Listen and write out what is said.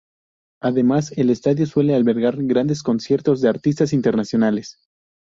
Además, el estadio suele albergar grandes conciertos de artistas internacionales.